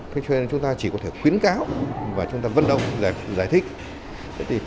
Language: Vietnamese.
thế cho nên chúng ta chỉ có thể khuyến cáo và chúng ta vận động giải thích